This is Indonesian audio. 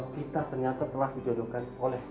kita ternyata telah di jodohkan